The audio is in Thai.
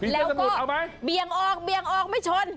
แล้วก็เบียงออกไม่ชน